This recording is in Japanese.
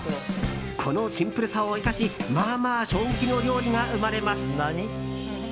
このシンプルさを生かしまあまあ衝撃の料理が生まれます。